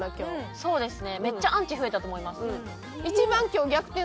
そうですね。